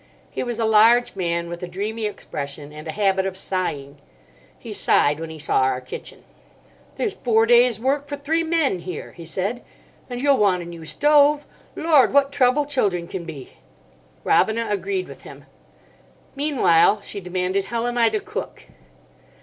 He was a large man, with a dreamy expression and a habit of sighing. He sighed when he saw our kitchen. "There's four days' work for three men here," he said, "and you'll want a new stove. Lord! what trouble children can be!" Robina agreed with him. "Meanwhile," she demanded, "how am I to cook?"